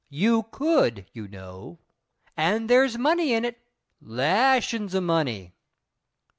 You could, you know. And there's money in it lashin's o' money!"